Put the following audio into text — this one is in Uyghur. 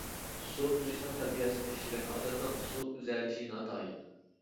سۇ ئۈزۈشنىڭ تەربىيەسىنى ئىشلىگەن ئادەمنىڭ سۇ ئۈزەلىشى ناتايىن.